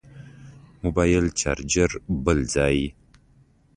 موبایل چارچر بل ځای.